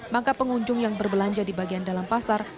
maka pengunjung yang berbelanja di bagian dalam pasar